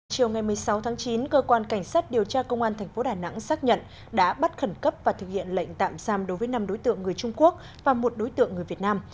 chiều ngày một mươi sáu tháng chín cơ quan cảnh sát điều tra công an tp đà nẵng xác nhận đã bắt khẩn cấp và thực hiện lệnh tạm giam đối với năm đối tượng người trung quốc và một đối tượng người việt nam